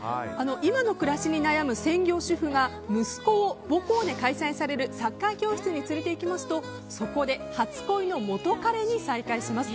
今の暮らしに悩む専業主婦が息子を母校で開催されるサッカー教室に連れていきますとそこで初恋の元カレに再会します。